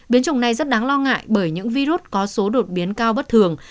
biến chủng này rất đáng lo ngại bởi những virus có số đột biến cao bất thường